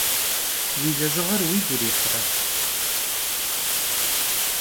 Vui lejığer vuigu yirihre?